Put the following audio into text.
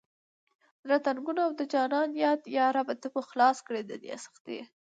زړه تنګون او د جانان یاد یا ربه ته مو خلاص کړه دې سختي…